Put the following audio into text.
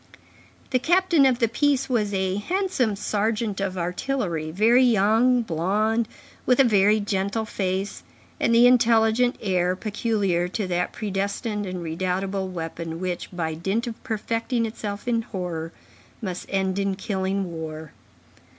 The captain of the piece was a handsome sergeant of artillery, very young, blond, with a very gentle face, and the intelligent air peculiar to that predestined and redoubtable weapon which, by dint of perfecting itself in horror, must end in killing war.